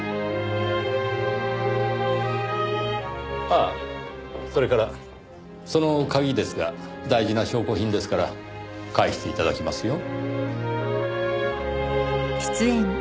ああそれからその鍵ですが大事な証拠品ですから返して頂きますよ。